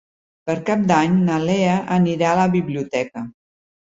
Per Cap d'Any na Lea anirà a la biblioteca.